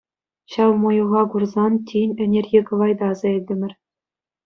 Ҫав мӑйӑха курсан тин ӗнерхи кӑвайта аса илтӗмӗр.